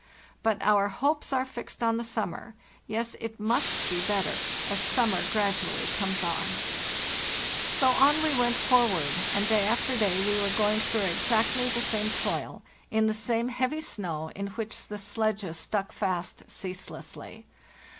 But our hopes are fixed on the summer. Yes, it szzs¢ be better as summer gradually comes on." BY SLEDGE AND KAVAK 281 So on we went forward; and day after day we were going through exactly the same toil, in the same heavy snow, in which the sledges stuck fast ceaselessly.